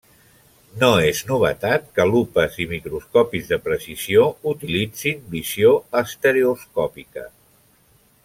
No és novetat que lupes i microscopis de precisió utilitzin visió estereoscòpica.